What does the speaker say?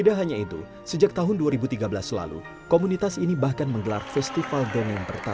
kegiatan ini rutin dilakukan secara spontan di ruang ruang publik